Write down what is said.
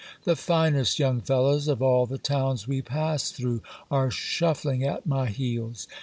The finest young fellows of all the towns we pass through are shuffling at my heels.